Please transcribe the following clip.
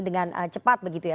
dengan cepat begitu ya